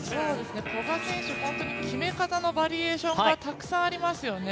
古賀選手、決め方のバリエーションがたくさんありますよね。